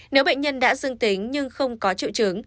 nếu bệnh nhân đã dương tính nhưng không có triệu chứng